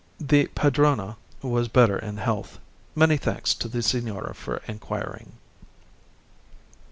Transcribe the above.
The padrona was better in health; many thanks to the signora for inquiring.